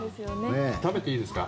食べていいですか？